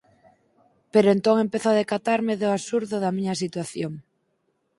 Pero entón empezo a decatarme do absurdo da miña situación.